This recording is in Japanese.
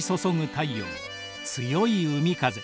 太陽強い海風。